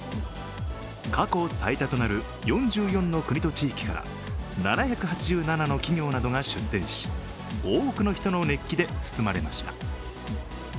過去最多となる４４の国と地域から７８７の企業などが出展し、多くの人の熱気で包まれました。